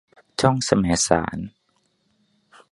ช่องแสมสาร